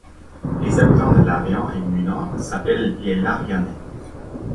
Les habitants de Larians-et-Munans s'appellent les Larianais.